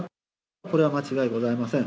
これは間違いございません。